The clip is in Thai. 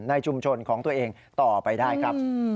ในชุมชนของตัวเองต่อไปได้ครับ